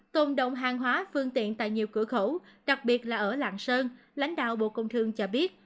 tồn động hàng hóa phương tiện tại nhiều cửa khẩu đặc biệt là ở lạng sơn lãnh đạo bộ công thương cho biết